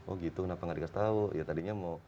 oh gitu kenapa nggak dikasih tahu ya tadinya mau